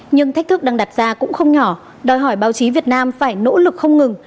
nhưng thách thức đang đặt ra cũng không nhỏ đòi hỏi báo chí việt nam phải nỗ lực không ngừng